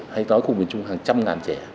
hay nói cùng mình chung là hàng trăm ngàn trẻ